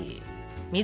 水。